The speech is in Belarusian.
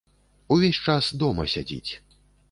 Увесь час дома сядзяць.